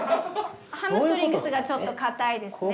ハムストリングスがちょっと硬いですね。